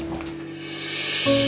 aku mau ke sana